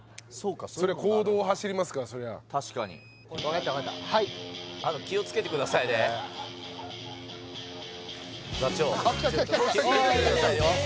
公道を走りますからそりゃ確かに分かった分かったはい気をつけてくださいね座長気をつけてくださいよ